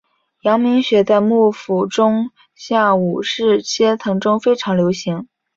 阳明学在幕府中下武士阶层中非常流行。